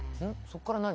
そこから何？